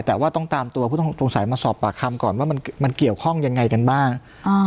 แต่ว่าต้องตามตัวผู้ต้องสงสัยมาสอบปากคำก่อนว่ามันมันเกี่ยวข้องยังไงกันบ้างอ่า